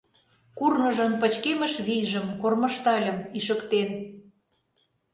Курныжын пычкемыш вийжым Кормыжтальым ишыктен.